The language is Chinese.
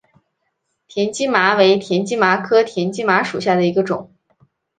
田基麻为田基麻科田基麻属下的一个种。